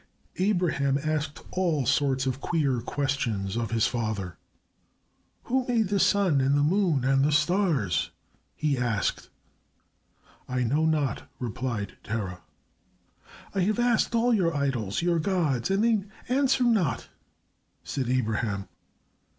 Abraham asked all sorts of queer questions of his father. "Who made the sun and the moon and the stars?" he asked. "I know not," replied Terah. "I have asked all your idols, your gods, and they answer not," said Abraham.